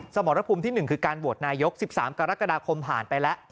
สมรภูมิที่๑คือการโหวตนายก๑๓กรกฎาคมผ่านไปแล้ว